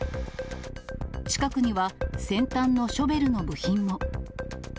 近くには先端のショベルの部品も。